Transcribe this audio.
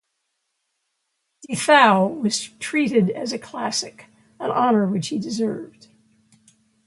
De Thou was treated as a classic, an honour which he deserved.